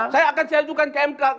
saya akan sejujukan kmk